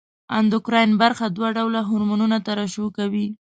اندوکراین برخه دوه ډوله هورمونونه ترشح کوي.